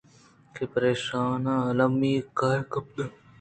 کہ پرایشاں المّی ئیں کارے کپتگ